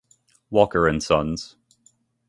Walker and Sons.